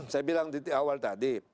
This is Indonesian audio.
saya bilang di awal tadi